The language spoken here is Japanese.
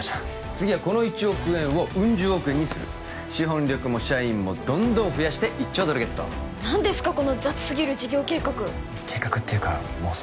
次はこの１億円をウン十億円にする資本力も社員もどんどん増やして１兆ドルゲット何ですかこの雑すぎる事業計画計画っていうか妄想？